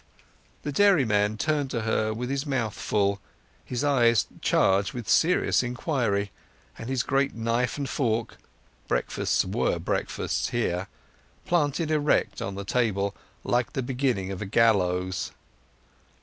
The dairyman turned to her with his mouth full, his eyes charged with serious inquiry, and his great knife and fork (breakfasts were breakfasts here) planted erect on the table, like the beginning of a gallows.